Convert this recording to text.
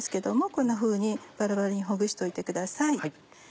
こんなふうにバラバラにほぐしておいてください。